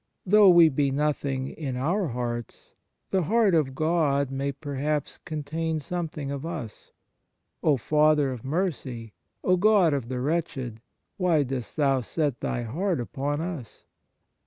Though we be nothing in our hearts, the heart of God may perhaps contain something of us ! O Father of mercy ! O God of the wretched ! why dost Thou set Thy heart upon us